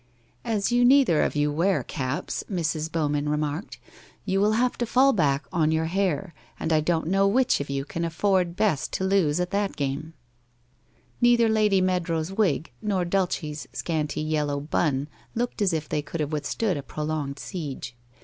c As you neither of you wear caps,' Mrs. Bowman re marked, ' you will have to fall back on your hair, and I don't know which of you can afford best to lose at that game/ Neither Lady Mead row's wig nor Dulce's scanty yellow 1 bun ' looked as if they could have withstood a prolonged siege.